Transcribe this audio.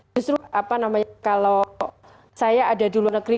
justru apa namanya kalau saya ada di luar negeri